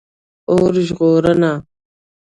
🚒 اور ژغورنه